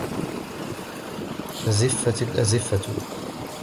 أَزِفَتِ الآزِفَةُ